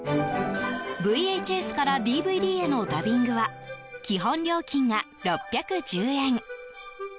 ＶＨＳからＤＶＤへのダビングは基本料金が６１０円。